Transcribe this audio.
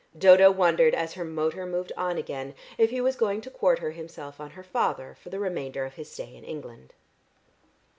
Dodo wondered as her motor moved on again if he was going to quarter himself on her father for the remainder of his stay in England.